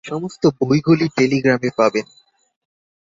সমস্ত বই গুলি টেলিগ্রামে পাবেন।